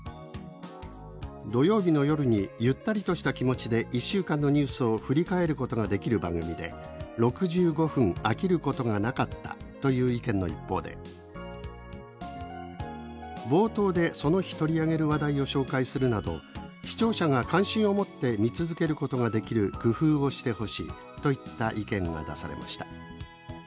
「土曜日の夜に、ゆったりとした気持ちで１週間のニュースを振り返ることができる番組で６５分、飽きることがなかった」という意見の一方で「冒頭で、その日取り上げる話題を紹介するなど視聴者が関心を持って見続けることができる工夫をしてほしい」といった意見が出されました。